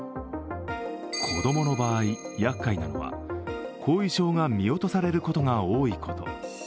子供の場合、やっかいなのは後遺症が見落とされることが多いこと。